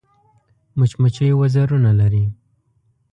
مچمچۍ وزرونه لري